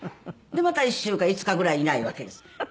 でまた１週間５日ぐらいいないわけです。